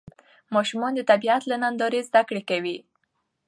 ماشومان د طبیعت له نندارې زده کړه کوي